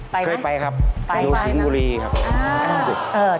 ไปไหมมาดูสิ่งบุรีครับไปนั่งผิด